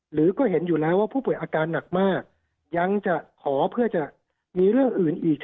หรือก็เห็นอยู่แล้วว่าผู้ป่วยอาการหนักมากยังจะขอเพื่อจะมีเรื่องอื่นอีก